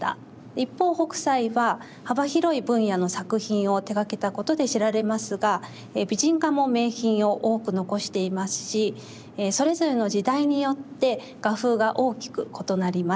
一方北斎は幅広い分野の作品を手がけたことで知られますが美人画も名品を多く残していますしそれぞれの時代によって画風が大きく異なります。